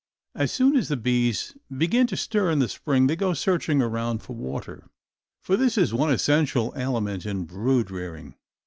As soon as the bees begin to stir in the spring they go searching around for water, for this is one essential element in brood rearing.